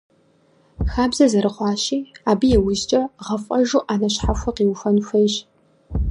Хабзэ зэрыхъуащи, абы иужькӀэ гъэфӀэжу Ӏэнэ щхьэхуэ къиухуэн хуейщ.